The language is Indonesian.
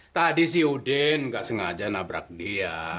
tadi si udin gak sengaja nabrak dia